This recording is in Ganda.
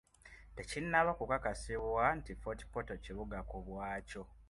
Tekinnaba ku kakasibwa nti fort portal kibuga ku bwaakyo .